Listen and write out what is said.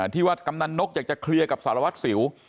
ที่ว่ากำนันนกอยากจะเคลียร์กับสารวัตรสิว